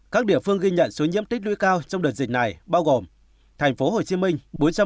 các địa phương ghi nhận số nhiễm tích núi cao trong đợt dịch này bao gồm thành phố hồ chí minh